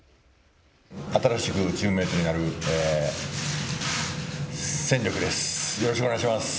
新しくチームメートになる戦力です。